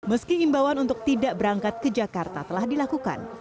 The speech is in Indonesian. meski imbauan untuk tidak berangkat ke jakarta telah dilakukan